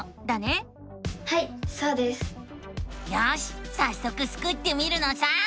よしさっそくスクってみるのさ！